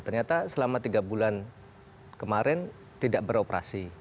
ternyata selama tiga bulan kemarin tidak beroperasi